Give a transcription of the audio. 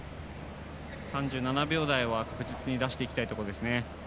３７秒台は確実に出していきたいところですね。